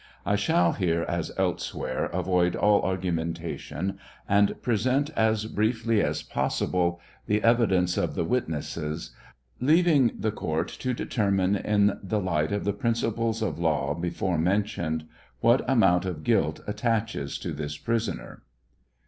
I shall here, as elsewhere, avoid all argumentation and present as briefly as possible the evidence of the witnesses, leaving the court to determine, in the light of the principles of law before mentioned, what amount of guilt attaches to this prisoner.